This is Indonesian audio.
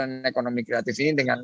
dan ekonomi kreatif ini dengan